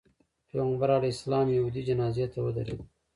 پیغمبر علیه السلام یهودي جنازې ته ودرېده.